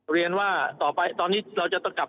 เรียนว่าต่อไปตอนนี้เราจะต้องกลับ